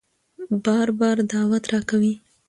بار بار دعوت راکوي